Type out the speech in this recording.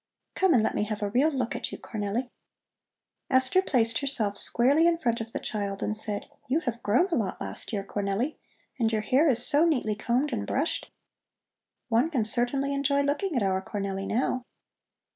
"Come and let me have a real look at you, Cornelli!" Esther placed herself squarely in front of the child and said: "You have grown a lot last year, Cornelli. And your hair is so neatly combed and brushed! One certainly can enjoy looking at our Cornelli, now."